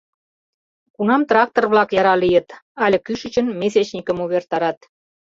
Кунам трактор-влак яра лийыт, але кӱшычын месячникым увертарат.